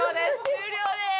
終了です。